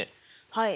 はい。